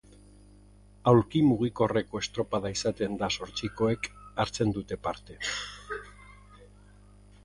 Aulki mugikorreko estropada izaten da eta zortzikoek hartzen dute parte.